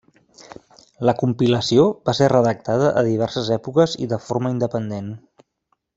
La compilació va ser redactada a diverses èpoques i de forma independent.